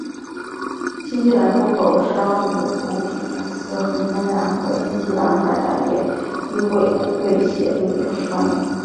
新西兰出口商如乳品公司恒天然和新西兰海产业议会等对协定表示欢迎。